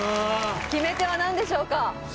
決め手は何でしょうか？